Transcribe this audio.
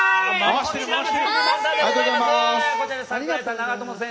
こちら、櫻井さん、長友選手